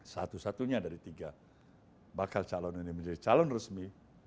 satu satunya dari tiga bakal calon ini menjadi calon resmi